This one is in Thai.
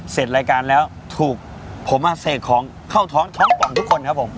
เสร็จรายการแล้วถูกผมเสกของเข้าท้องแข็งก่อนทุกคนครับผม